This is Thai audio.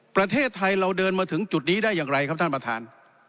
ประเทศไทยเราเดินมาถึงจุดนี้ได้อย่างไรครับท่านประธาน